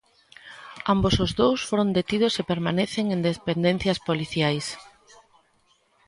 Ambos os dous foron detidos e permanecen en dependencias policiais.